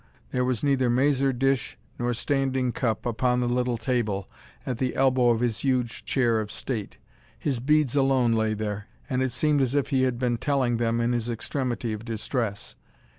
There was neither mazer dish nor standing cup upon the little table, at the elbow of his huge chair of state; his beads alone lay there, and it seemed as if he had been telling them in his extremity of distress.